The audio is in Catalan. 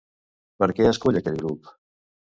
Per què escull aquell grup?